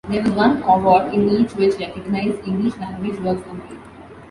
There was one award in each, which recognized English-language works only.